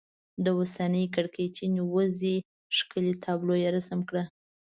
د اوسنۍ کړکېچنې وضعې ښکلې تابلو یې رسم کړه.